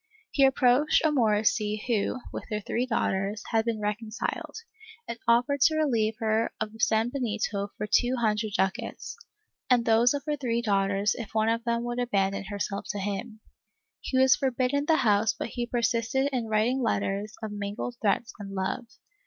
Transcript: He approached a Morisca who, with her three daughters, had been reconciled, and offered to relieve her of her sanbenito for two hundred clucats, and those of her three daughters if one of them would abandon herself to him. He was forbidden the house but he persisted in writing letters of mingled threats and love.